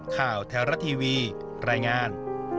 ข่าวแท้รัฐทีวีรายงาน